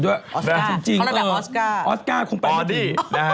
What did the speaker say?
ออสกากรป่มในขยะดี